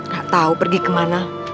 gak tahu pergi kemana